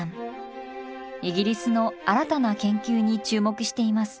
イギリスの新たな研究に注目しています。